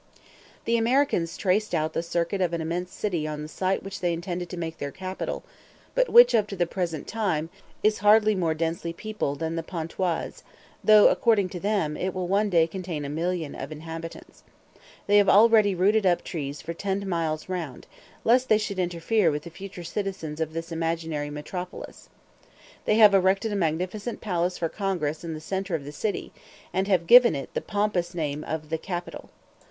The Americans traced out the circuit of an immense city on the site which they intended to make their capital, but which, up to the present time, is hardly more densely peopled than Pontoise, though, according to them, it will one day contain a million of inhabitants. They have already rooted up trees for ten miles round, lest they should interfere with the future citizens of this imaginary metropolis. They have erected a magnificent palace for Congress in the centre of the city, and have given it the pompous name of the Capitol.